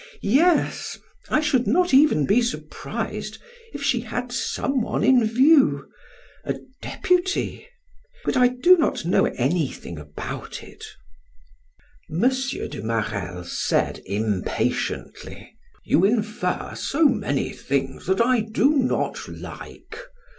"Yes! I should not even be surprised if she had some one in view a deputy! but I do not know anything about it." M. de Marelle said impatiently: "You infer so many things that I do not like!